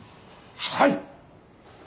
はい！